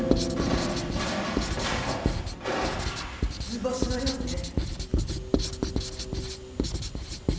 図星のようね。